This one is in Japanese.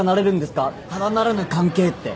ただならぬ関係って。